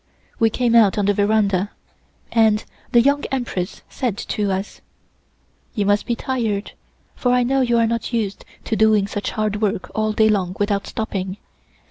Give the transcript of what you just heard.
We came out on the veranda, and the Young Empress said to us: "You must be tired, for I know you are not used to doing such hard work all day long without stopping.